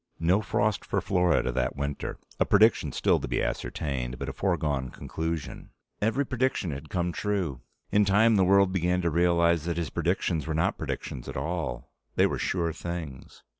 No frost for Florida that winter a prediction still to be ascertained, but a foregone conclusion. Every prediction had come true. In time, the world began to realize that his predictions were not predictions at all: they were sure things.